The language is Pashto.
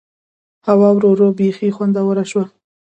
هوا ورو ورو بيخي خوندوره شوه.